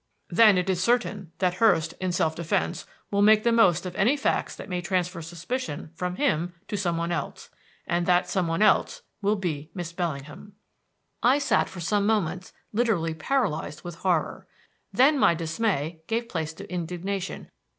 Then it is certain that Hurst, in self defense, will make the most of any facts that may transfer suspicion from him to some one else. And that some one else will be Miss Bellingham." I sat for some moments literally paralyzed with horror. Then my dismay gave place to indignation.